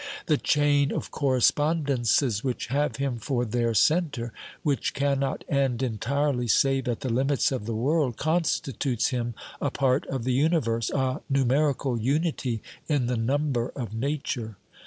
The chain of correspondences which have him for their centre, which cannot end entirely save at the limits of the world, constitutes him a part of the universe, a numerical unity in the number of Nature.